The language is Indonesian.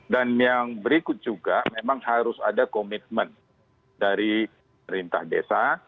dan yang berikut juga memang harus ada komitmen dari perintah desa